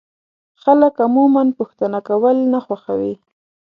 خلک عموما پوښتنه کول نه خوښوي.